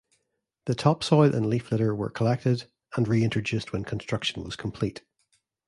The top soil and leaf litter were collected and reintroduced when construction was complete.